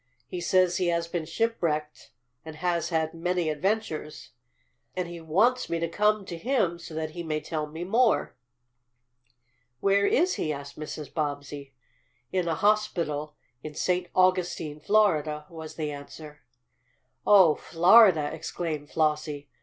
He says he has been shipwrecked and has had many adventures, and he wants me to come to him so that he may tell me more." "Where is he?" asked Mrs. Bobbsey. "In a hospital in St. Augustine, Florida," was the answer. "Oh, Florida!" exclaimed Flossie.